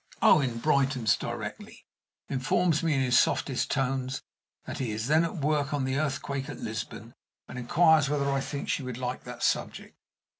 Owen brightens directly, informs me in his softest tones that he is then at work on the Earthquake at Lisbon, and inquires whether I think she would like that subject.